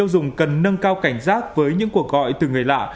tiêu dùng cần nâng cao cảnh giác với những cuộc gọi từ người lạ